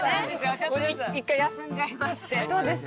ちょっと１回休んじゃいましてどうですか？